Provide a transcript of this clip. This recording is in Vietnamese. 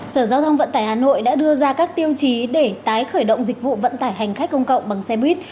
sở giao thông vận tải hà nội đã đưa ra các tiêu chí để tái khởi động dịch vụ vận tải hành khách công cộng bằng xe buýt